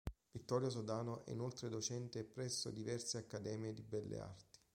Vittorio Sodano è inoltre docente presso diverse Accademie di Belle Arti.